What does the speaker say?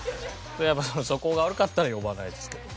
やっぱ素行が悪かったら呼ばないですけど。